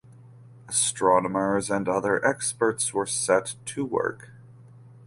Astronomers and other experts were set to work.